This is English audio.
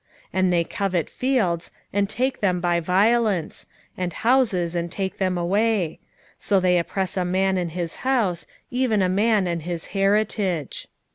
2:2 And they covet fields, and take them by violence; and houses, and take them away: so they oppress a man and his house, even a man and his heritage.